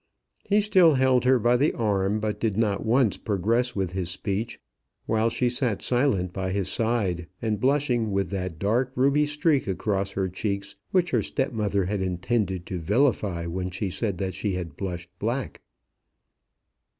He still held her by the arm, but did not once progress with his speech, while she sat silent by his side, and blushing with that dark ruby streak across her cheeks, which her step mother had intended to vilify when she said that she had blushed black.